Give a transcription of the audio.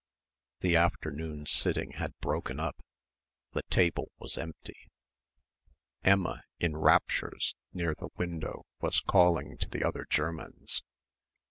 The afternoon sitting had broken up. The table was empty. Emma, in raptures near the window, was calling to the other Germans.